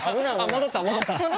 戻った戻った。